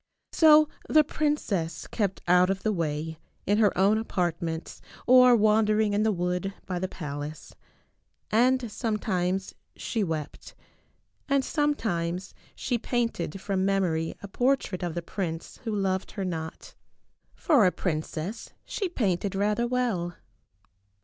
So the princess kept out of the way, in her own apartments or wandering in the wood by the pal ace. And sometimes she wept. And sometimes she painted from memory a portrait of the prince who loved her not. For a princess she painted rather well.